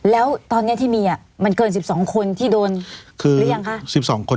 แล้วตอนนี้ที่มีมันเกิน๑๒คนที่โดนคือหรือยังคะ